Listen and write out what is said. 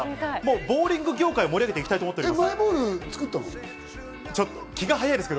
ボウリング業界を盛り上げていきたいと思います。